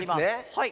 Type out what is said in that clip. はい。